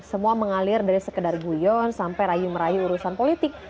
semua mengalir dari sekedar guyon sampai rayu merayu urusan politik